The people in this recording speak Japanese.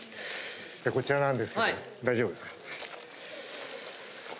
こちらなんですけど大丈夫ですか？